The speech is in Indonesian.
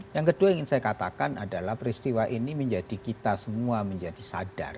yang kedua ingin saya katakan adalah peristiwa ini menjadi kita semua menjadi sadar